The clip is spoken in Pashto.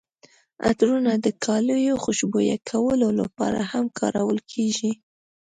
عطرونه د کالیو خوشبویه کولو لپاره هم کارول کیږي.